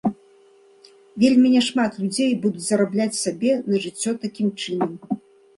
Вельмі няшмат людзей будуць зарабляць сабе на жыццё такім чынам.